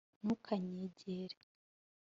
ntukanyegere